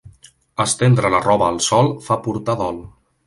Estendre la roba al sol fa portar dol.